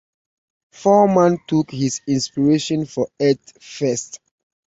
Foreman took his inspiration for Earth First!